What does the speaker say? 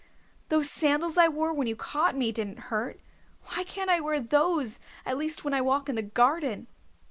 Those sandals I wore when you caught me didn't hurt. Why can't I wear those, at least when I walk in the garden?"